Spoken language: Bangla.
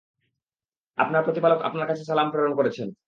আপনার প্রতিপালক আপনার কাছে সালাম প্রেরণ করেছেন।